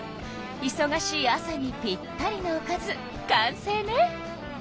いそがしい朝にぴったりのおかず完成ね！